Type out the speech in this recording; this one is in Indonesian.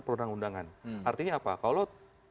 perundang undangan artinya apa kalau